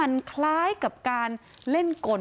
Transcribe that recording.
เป็นพระรูปนี้เหมือนเคี้ยวเหมือนกำลังทำปากขมิบท่องกระถาอะไรสักอย่าง